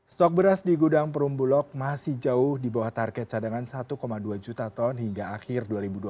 stok beras di gudang perumbulok masih jauh di bawah target cadangan satu dua juta ton hingga akhir dua ribu dua puluh